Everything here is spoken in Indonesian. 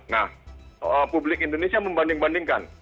nah publik indonesia membanding bandingkan